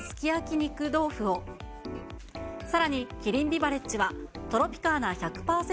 肉豆腐を、さらに、キリンビバレッジはトロピカーナ１００％